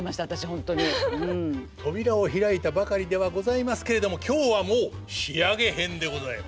扉を開いたばかりではございますけれども今日はもう仕上げ編でございます。